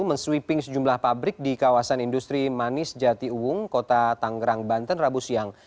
mensweeping sejumlah pabrik di kawasan industri manis jati uwung kota tanggerang banten rabu siang